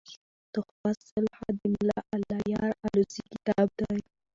"تحفه صالح" دملا الله یار الوزي کتاب دﺉ.